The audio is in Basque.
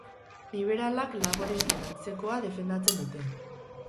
Liberalak laboristen antzekoa defendatzen dute.